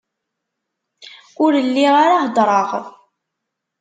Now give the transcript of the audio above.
Ur lliɣ ara heddreɣ...